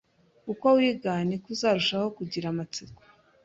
Uko wiga, niko uzarushaho kugira amatsiko